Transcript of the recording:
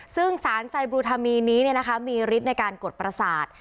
ซึ่งสารไซบูทามีนนี้เนี่ยนะคะมีฤทธิ์ในการกดประสาท